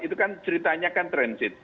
itu kan ceritanya transit